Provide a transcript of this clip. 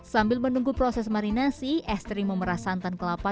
sambil menunggu proses marinasi estri memerah santan kelapa